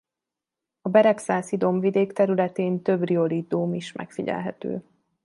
A Beregszászi-dombvidék területén több riolit dóm is megfigyelhető.